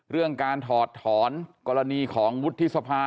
เรื่องการถอดถอนกรณีของวุฒิสภา